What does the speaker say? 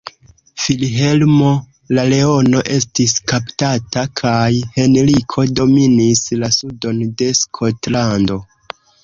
Vilhelmo la Leono estis kaptata, kaj Henriko dominis la sudon de Skotlando.